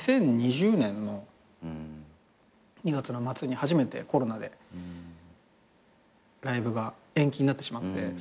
２０２０年の２月の末に初めてコロナでライブが延期になってしまって。